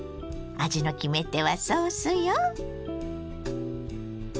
味の決め手はソースよ。